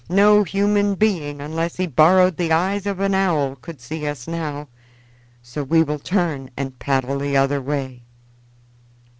No human being, unless he borrowed the eyes of an owl, could see us now, so we will turn and paddle the other way."